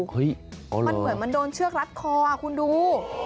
เฮ้ยมันเหมือนมันโดนเชือกรัดคอคุณดู